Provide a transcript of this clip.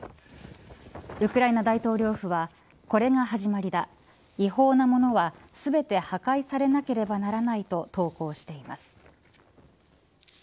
ウクライナ大統領府はこれが始まりだ違法なものは全て破壊されなければならないと投稿しています。